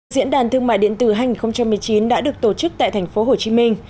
diễn đàn thương mại điện tử hai nghìn một mươi chín đã được tổ chức tại thành phố hồ chí minh